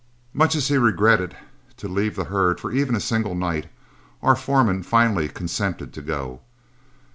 Much as he regretted to leave the herd for even a single night, our foreman finally consented to go.